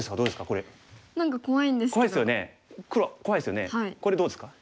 これどうですか？